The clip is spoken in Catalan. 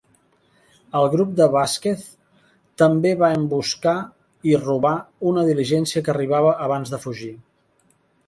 El grup de Vasquez també va emboscar i robar una diligència que arribava abans de fugir.